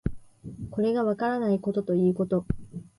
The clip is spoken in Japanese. これがわからないことということ